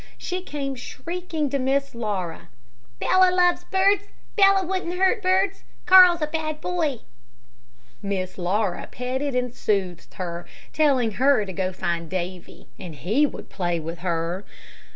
She came shrieking to Miss Laura. "Bella loves birds. Bella wouldn't hurt birds. Carl's a bad boy." Miss Laura petted and soothed her, telling her to go find Davy, and he would play with her.